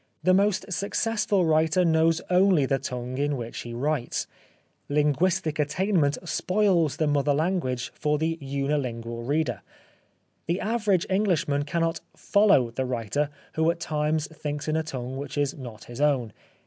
The most successful writer knows only the tongue in which he writes. Linguistic attainment spoils the mother language for the unilingual reader. The average Englishman cannot " follow " the writer who at times thinks in a tongue which is not his own.